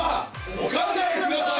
お考えください！